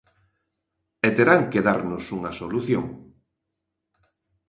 E terán que darnos unha solución.